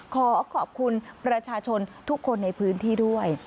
ขอขอบคุณประชาชนทุกคนในพื้นที่ด้วย